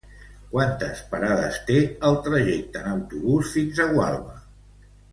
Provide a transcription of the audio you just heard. Quantes parades té el trajecte en autobús fins a Gualba?